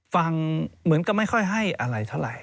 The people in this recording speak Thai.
ฟังเหมือนกับไม่ค่อยให้อะไรเท่าไหร